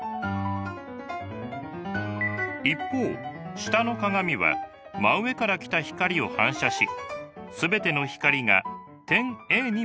一方下の鏡は真上から来た光を反射し全ての光が点Ａに向かいます。